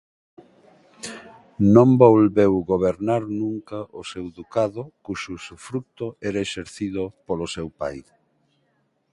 Non volveu gobernar nunca o seu ducado cuxo usufruto era exercido polo seu pai.